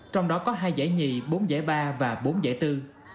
trong đó có hai giải nhì bốn giải ba và bốn giải tư